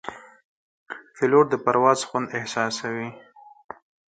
پیلوټ د پرواز خوند احساسوي.